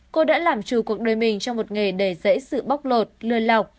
cô đã làm trù cuộc đời mình trong một nghề đầy dễ sự bóc lột lươn lọc